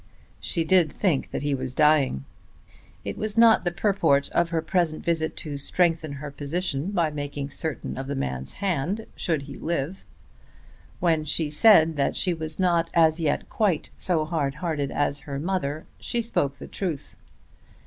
She did think that he was dying. It was not the purport of her present visit to strengthen her position by making certain of the man's hand should he live. When she said that she was not as yet quite so hard hearted as her mother, she spoke the truth.